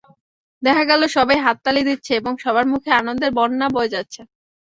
দেখা গেল, সবাই হাততালি দিচ্ছে এবং সবার মুখে আনন্দের বন্যা বয়ে যাচ্ছে।